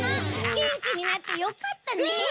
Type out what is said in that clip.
げんきになってよかったね。